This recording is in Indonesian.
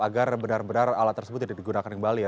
agar benar benar alat tersebut tidak digunakan kembali ya